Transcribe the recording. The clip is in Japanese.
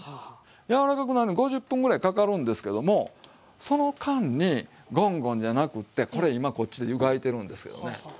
柔らかくなるのに５０分ぐらいかかるんですけどもその間にゴンゴンじゃなくってこれ今こっちで湯がいてるんですよね。